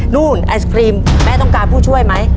ไอศครีมแม่ต้องการผู้ช่วยไหม